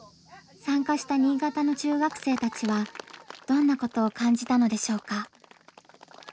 参加した新潟の中学生たちはどんなことを感じたのでしょうか？